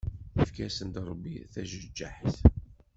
Ifka yasen-d Ṛebbi tajeggaḥt.